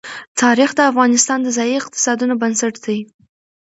تاریخ د افغانستان د ځایي اقتصادونو بنسټ دی.